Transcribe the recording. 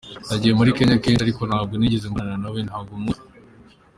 Nagiye muri Kenya kenshi ariko ntabwo nigeze mbonana na we, ntabwo muzi.